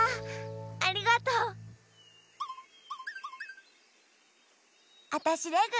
ありがとう！あたしレグ。